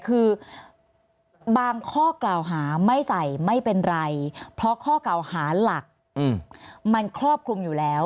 คือบางข้อกล่าวหาไม่ใส่ไม่เป็นไรเพราะข้อกล่าวหาหลักมันครอบคลุมอยู่แล้ว